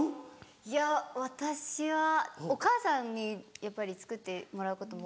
いや私はお母さんにやっぱり作ってもらうことも多いので。